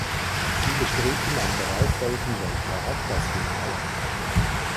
Sie bestritten am darauffolgenden Tag das Finale.